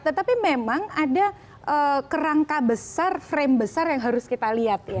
tetapi memang ada kerangka besar frame besar yang harus kita lihat ya